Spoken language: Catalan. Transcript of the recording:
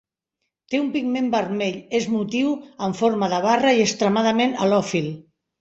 Té un pigment vermell, és motiu, en forma de barra, i extremadament halòfil.